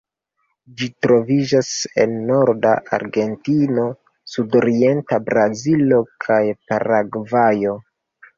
Ĝi troviĝas en norda Argentino, sudorienta Brazilo kaj Paragvajo.